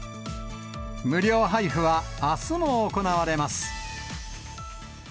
無料配布はあすも行われます。